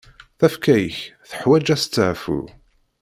Tafekka-ik teḥwaǧ asteɛfu.